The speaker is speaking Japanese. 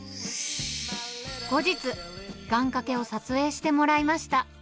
後日、願掛けを撮影してもらいました。